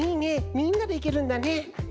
みんなでいけるんだね。